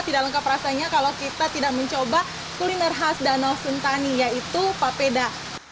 tidak lengkap rasanya kalau kita tidak mencoba kuliner khas danau sentani yaitu papeda